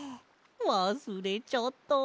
わすれちゃった。